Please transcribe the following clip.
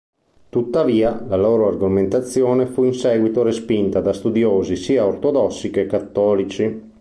Tuttavia, la loro argomentazione fu in seguito respinta da studiosi sia ortodossi che cattolici.